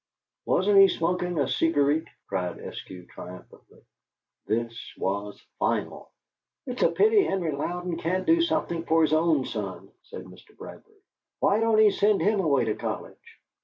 "Wasn't he smokin' a cigareet!" cried Eskew, triumphantly. This was final. "It's a pity Henry Louden can't do something for his own son," said Mr. Bradbury. "Why don't he send him away to college?"